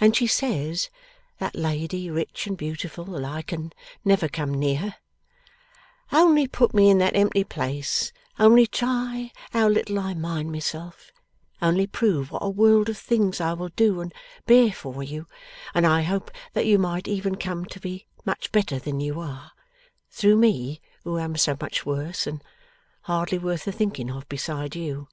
And she says, that lady rich and beautiful that I can never come near, "Only put me in that empty place, only try how little I mind myself, only prove what a world of things I will do and bear for you, and I hope that you might even come to be much better than you are, through me who am so much worse, and hardly worth the thinking of beside you."